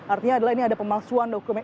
artinya adalah ini ada pemalsuan dokumen